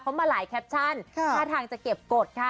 เขามาหลายแคปชั่นท่าทางจะเก็บกฎค่ะ